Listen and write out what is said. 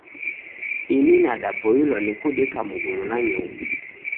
Ini nidaboilwa ni kudeka mngulu na nyungu.